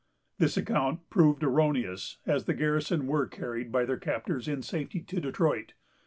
This account proved erroneous, as the garrison were carried by their captors in safety to Detroit.